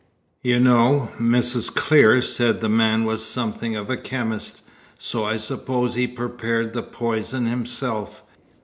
You know, Mrs. Clear said the man was something of a chemist, so I suppose he prepared the poison himself.